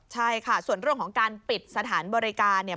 ใช่ค่ะส่วนเรื่องของการปิดสถานบริการเนี่ย